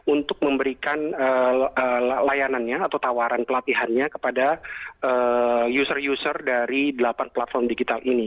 untuk memberikan layanannya atau tawaran pelatihannya kepada user user dari delapan platform digital ini